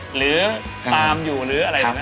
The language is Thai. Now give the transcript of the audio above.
หรือตามอยู่หรืออะไรอย่างนี้